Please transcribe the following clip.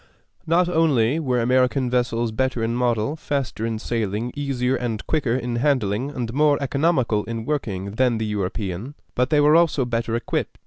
Not only were American vessels better in model, faster in sailing, easier and quicker in handling, and more economical in working than the European, but they were also better equipped.